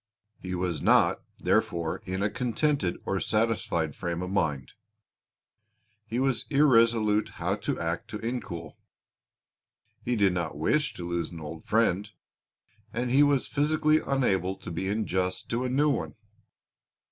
He was not, therefore, in a contented or satisfied frame of mind; he was irresolute how to act to Incoul; he did not wish to lose an old friend and he was physically unable to be unjust to a new one.